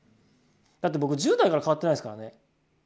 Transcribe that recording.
だって僕１０代から変わってないですからね。